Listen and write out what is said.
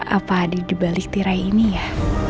apa ada di balik tirai ini ya